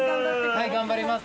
はい頑張ります。